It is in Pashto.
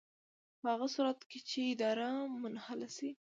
په هغه صورت کې چې اداره منحله شي.